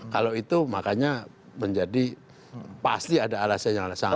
kalau itu makanya menjadi pasti ada alasan yang sangat